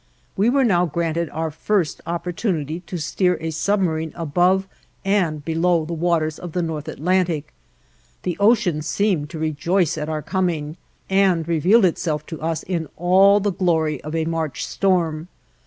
We were now granted our first opportunity to steer a submarine above and below the waters of the North Atlantic. The ocean seemed to rejoice at our coming, and revealed itself to us in all the glory of a March storm.